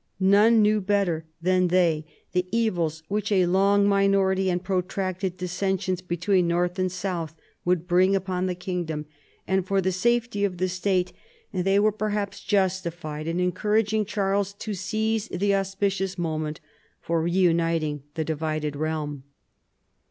None knew better than they the evils which a long minority and protracted dissensions between north and south would bring upon the kingdom, and for the safety of the state they were perhaps justified 112 CHARLEMAGNE. in encouraging Charles to seize the auspicious mo ment for reuniting the divided reahn.